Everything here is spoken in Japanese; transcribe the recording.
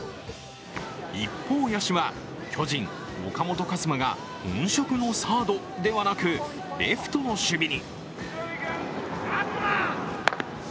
一方、野手は巨人・岡本和真が本職のサードではなくレフトの守備に。